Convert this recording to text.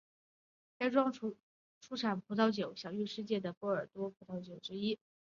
该庄出产的葡萄酒是享誉世界的波尔多葡萄酒之一。